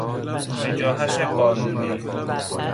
وجاهت قانونی